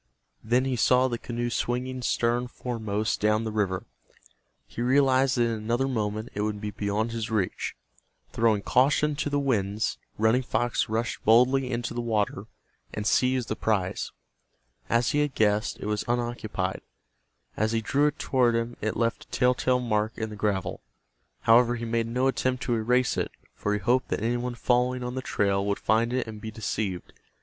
Then he saw the canoe swinging stern foremost down the river. He realized that in another moment it would be beyond his reach. Throwing caution to the winds, Running Fox rushed boldly into the water and seized the prize. As he had guessed, it was unoccupied. As he drew it toward him it left a tell tale mark in the gravel. However, he made no attempt to erase it, for he hoped that any one following on the trail would find it and be deceived.